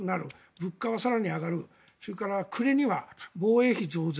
物価も更に上がる暮れには防衛費増税